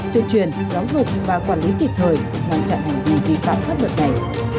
tuyên truyền giáo dục và quản lý kịp thời ngăn chặn hành vi vi phạm pháp luật này